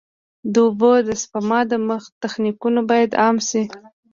د اوبو د سپما تخنیکونه باید عام شي.